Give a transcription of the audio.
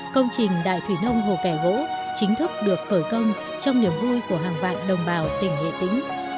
công trình đại thủy nông hồ kẻ gỗ chính thức được khởi công trong niềm vui của hàng vạn đồng bào tỉnh nghệ tĩnh